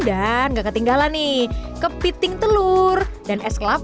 dan gak ketinggalan nih kepiting telur dan es kelapa